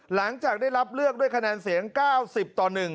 หลังจากได้รับเลือกด้วยคะแนนเสียง๙๐ต่อ๑